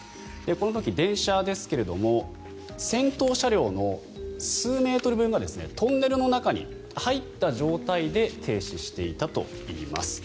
この時、電車ですが先頭車両の数メートル分がトンネルの中に入った状態で停止していたといいます。